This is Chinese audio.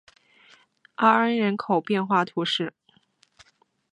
阿安人口变化图示